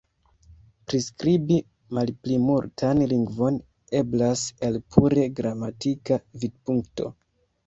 Priskribi malplimultan lingvon eblas el pure gramatika vidpunkto.